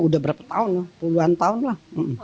udah berapa tahun lah puluhan tahun lah